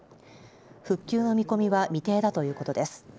復旧の見込みは未定だということです。